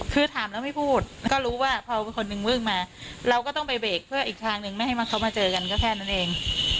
คือถามแล้วไม่พูดก็รู้ว่าพอคนนึงวิ่งมาเราก็ต้องไปเบรกเพื่ออีกทางนึงไม่ให้เขามาเจอกันก็แค่นั้นเอง